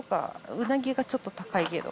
うなぎがちょっと高いけど。